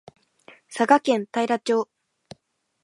佐賀県太良町